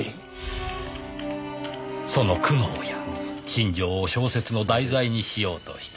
その苦悩や心情を小説の題材にしようとした。